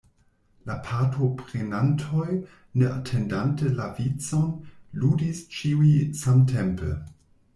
La partoprenantoj, ne atendante la vicon, ludis ĉiuj samtempe.